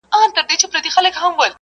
چي تر تاسو ډير ښه وي.